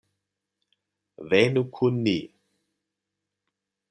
Venu kun ni!